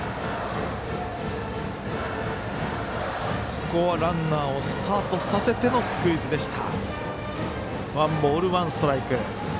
ここはランナーをスタートさせてのスクイズでした。